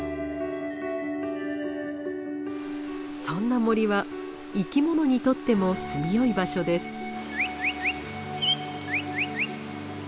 そんな森は生き物にとっても住みよい場所です。